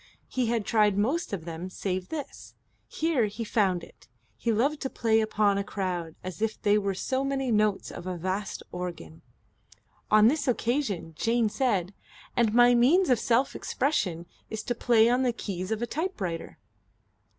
He had tried most of them save this. Here he had found it. He loved to play upon a crowd as if they were so many notes of a vast organ. On this occasion Jane said: "And my means of self expression is to play on the keys of a typewriter."